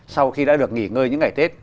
sau khi đã được nghỉ ngơi những ngày tết